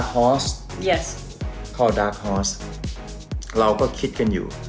ขอบคุณครับไทย